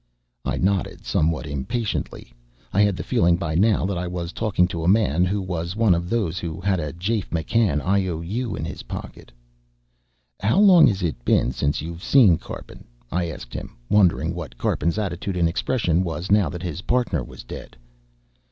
I nodded, somewhat impatiently. I had the feeling by now that I was talking to a man who was one of those who had a Jafe McCann IOU in his pocket. "How long has it been since you've seen Karpin?" I asked him, wondering what Karpin's attitude and expression was now that his partner was dead.